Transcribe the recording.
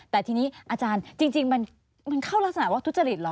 แต่ทีนี้อาจารย์จริงมันเข้ารักษณะว่าทุจริตเหรอ